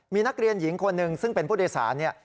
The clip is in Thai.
มีนักเรียนหญิงคนหนึ่งซึ่งเป็นผู้โดยสารเนี่ย